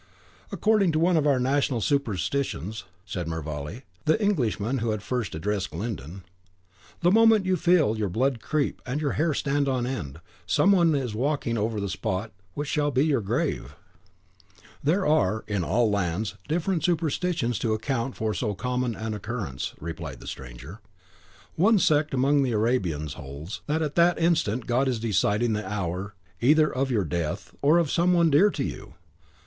"According to one of our national superstitions," said Mervale, the Englishman who had first addressed Glyndon, "the moment you so feel your blood creep, and your hair stand on end, some one is walking over the spot which shall be your grave." "There are in all lands different superstitions to account for so common an occurrence," replied the stranger: "one sect among the Arabians holds that at that instant God is deciding the hour either of your death, or of some one dear to you.